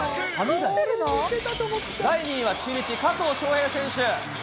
第２位は中日、加藤翔平選手。